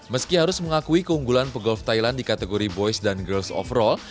meski harus mengakui keunggulan pegolf thailand di kategori boys dan girls overall